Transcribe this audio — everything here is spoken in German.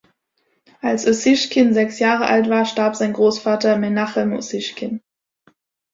Als Ussishkin sechs Jahre alt war starb sein Großvater Menachem Ussishkin.